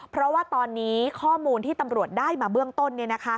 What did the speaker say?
เพราะว่าตอนนี้ข้อมูลที่ตำรวจได้มาเบื้องต้น